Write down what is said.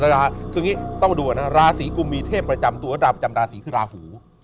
ราศรีกุมมีเทพประจำตัวราภู